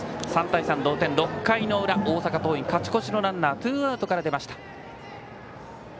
３対３の同点、６回裏大阪桐蔭は勝ち越しのランナーがツーアウトから出ました。